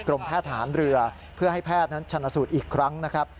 แพทย์ฐานเรือเพื่อให้แพทย์นั้นชนะสูตรอีกครั้งนะครับ